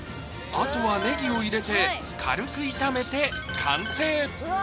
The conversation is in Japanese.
あとはネギを入れて軽く炒めて完成うわ